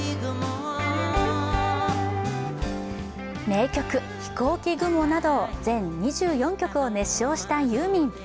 名曲「ひこうき雲」などを全２４曲を熱唱したユーミン。